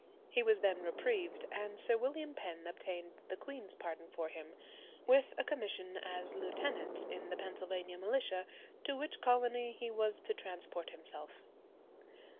He was then reprieved, and Sir William Penn obtained the queen's pardon for him, with a commission as lieutenant in the Pennsylvania militia, to which colony he was to transport himself.